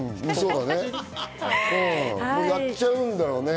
やっちゃうんだろうね。